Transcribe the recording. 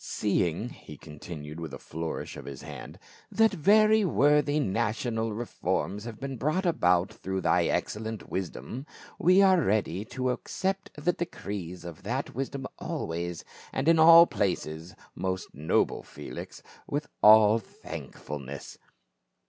Seeing," he continued with a flourish of his hand, "that very worthy national reforms have been brought about through thy excellent wisdom, we are ready to accept the decrees of that wisdom always, and in all places, most noble Felix, with all thankfulness.